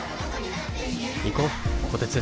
行こうこてつ。